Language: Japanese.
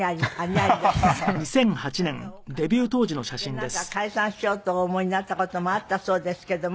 でなんか解散しようとお思いになった事もあったそうですけども。